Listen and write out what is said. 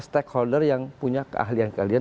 stakeholder yang punya keahlian keahlian